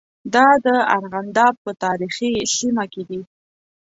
دا د ارغنداب په تاریخي سیمه کې دي.